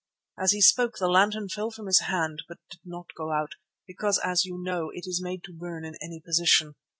As he spoke the lantern fell from his hand, but did not go out, because, as you know, it is made to burn in any position.